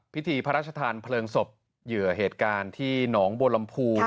พิธีพระราชทานเพลิงศพเหยื่อเหตุการณ์ที่หนองบัวลำพู